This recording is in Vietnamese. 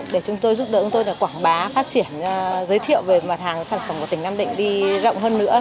để chúng tôi giúp đỡ chúng tôi quảng bá phát triển giới thiệu về mặt hàng sản phẩm của tỉnh nam định đi rộng hơn nữa